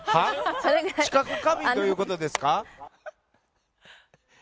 知覚過敏ということですか？